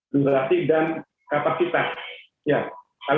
durasi dan kapasitas